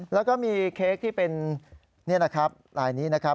แล้วก็มีเค้กที่เป็นนี่นะครับลายนี้นะครับ